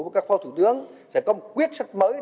với các phó thủ tướng sẽ có một quyết sách mới